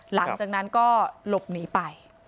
หลังจากนั้นก็หลบหนีไป